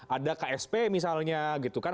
ada ksp misalnya gitu kan